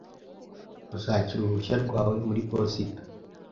Uzakira uruhushya rwawe muri posita